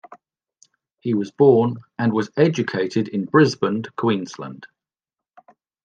He was born and was educated in Brisbane, Queensland.